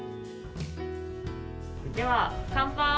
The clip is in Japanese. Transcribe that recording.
では乾杯！